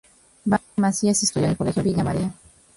Vania Masías estudió en el Colegio Villa María.